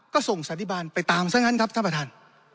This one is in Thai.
ก็ส่งสันติบาลไปตามซะงั้นครับท่านประธาน